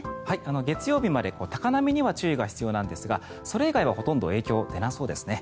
月曜日まで高波には注意が必要なんですがそれ以外はほとんど影響は出なさそうです。